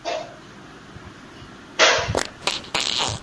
隆裕皇太后懿旨颁布宣统帝退位诏书。